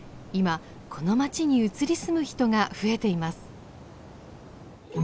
今この町に移り住む人が増えています。